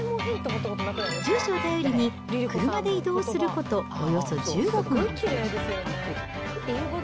住所を頼りに車で移動することおよそ１５分。